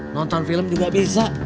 nonton film juga bisa